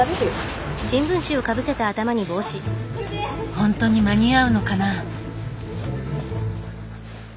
ほんとに間に合うのかな？